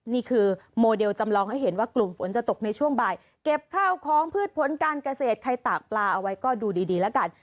นี่คือโมเดลจำลองให้เห็นว่ากลุ่มฝนจะตกในช่วงบ่ายเก็บข้าวของพืชผลการเกษตรใครตากปลาเอาไว้ก็ดูดีแล้วกัน